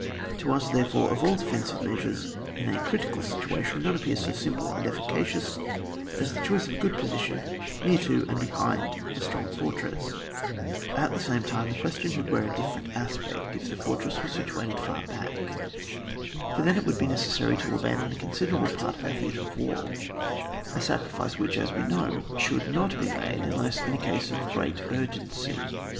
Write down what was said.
To us, therefore, of all defensive mea sures in a critical situation, none appears so simple and efficacious as the choice of a good position near to and behind a strong fortresa At the same time, the question would wear a different aspect if the fortress was situated far back ; for then it would be necesseury to abandon a considerable part of our theatre of war, a sacrifice which, as we know, should not be made unless in a case of great urgency.